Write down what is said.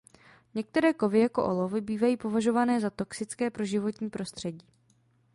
Některé kovy jako olovo bývají považované za toxické pro životní prostředí.